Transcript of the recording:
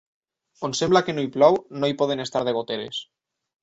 On sembla que no hi plou no hi poden estar de goteres.